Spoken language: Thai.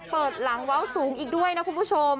เปิดหลังเว้าสูงอีกด้วยนะคุณผู้ชม